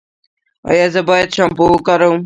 ایا زه باید شامپو وکاروم؟